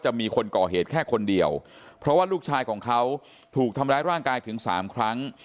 มีคนก่อเหตุแค่คนเดียวเพราะว่าลูกชายของเขาถูกทำร้ายร่างกายถึงสามครั้ง